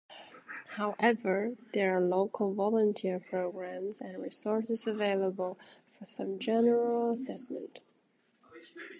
However, there are local volunteer programs and resources available for some general assessment.